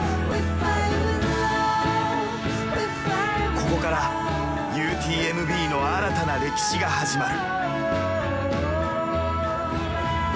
ここからＵＴＭＢの新たな歴史が始まる。